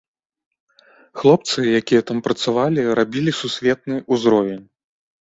Хлопцы, якія там працавалі, рабілі сусветны ўзровень.